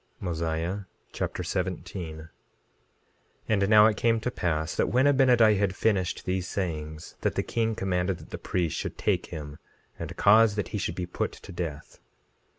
Mosiah Chapter 17 17:1 And now it came to pass that when Abinadi had finished these sayings, that the king commanded that the priests should take him and cause that he should be put to death.